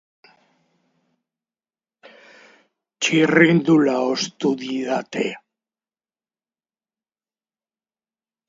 Ikasleekin duen harremana aldatuz joango da, bere irakasteko teknikak garatuz doazen heinean.